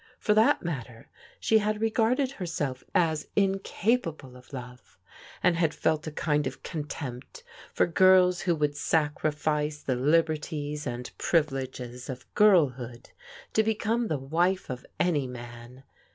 For that matter, she had regarded herself as in capable of love, and had felt a kind of contempt for girls who would sacrifice the liberties and privileges of girl hood to become the wife of any man.